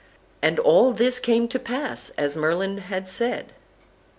And all this came to pass as Merlin had said.